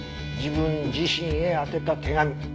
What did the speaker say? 自分自身へ宛てた手紙。